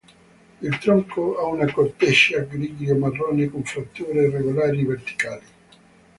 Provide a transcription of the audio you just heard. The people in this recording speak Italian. Il tronco ha una corteccia grigio-marrone con fratture irregolari verticali.